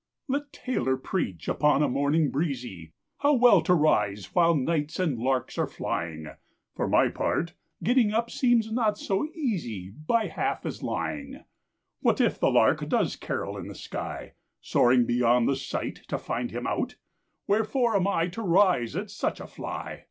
Let Taylor preach upon a morning breezy How well to rise while nights and larks are flying For my part getting up seems not so easy By half as lying. What if the lark does carol in the sky, Soaring beyond the sight to find him out Wherefore am I to rise at such a fly?